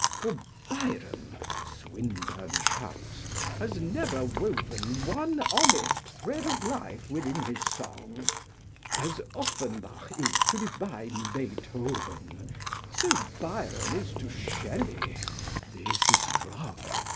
For Byron (Swinburne shouts) has never woven One honest thread of life within his song; As Offenbach is to divine Beethoven So Byron is to Shelley (This is strong!)